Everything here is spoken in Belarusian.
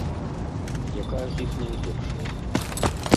Якая з іх найлепшая?